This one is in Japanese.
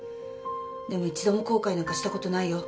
でも一度も後悔なんかしたことないよ。